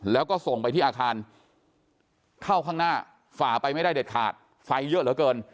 แล้วก็ส่งไปที่อาคารเข้าข้างหน้าฝ่าไปไม่ได้เด็ดขาดไฟเยอะเหลือเกิน